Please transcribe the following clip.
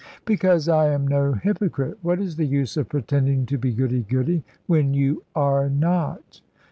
"Because I am no hypocrite. What is the use of pretending to be goody goody, when you are not?"